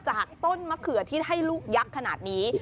จากต้นมะเขือที่ให้ลูกยักษ์ขนาดนี้